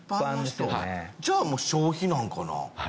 じゃあもう消費なんかな。